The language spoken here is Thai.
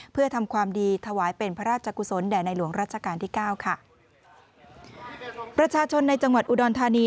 เพื่อทำความดีถวายเป็นพระราชกุศลแด่ในหลวงรัชกาลที่เก้าค่ะประชาชนในจังหวัดอุดรธานี